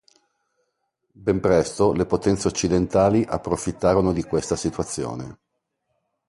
Ben presto le potenze occidentali approfittarono di questa situazione.